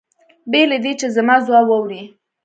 بې له دې چې زما ځواب واوري.